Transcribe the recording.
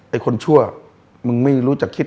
ไอ้คนชั่วมึงไม่รู้จักคิด